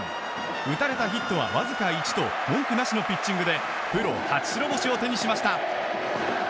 打たれたヒットはわずか１と文句なしのピッチングでプロ初白星を手にしました。